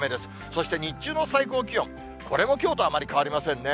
そして日中の最高気温、これもきょうとあまり変わりませんね。